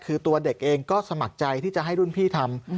คือตัวเด็กเองก็สมัครใจที่จะให้รุ่นพี่ทำ